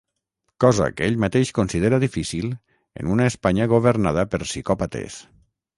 Cosa que ell mateix considera difícil en ‘una Espanya governada per psicòpates’.